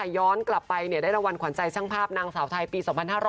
ย้อนกลับไปได้รางวัลขวัญใจช่างภาพนางสาวไทยปี๒๕๖๐